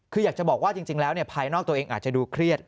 คืออยากจะบอกว่าจริงแล้วภายนอกตัวเองอาจจะดูเครียด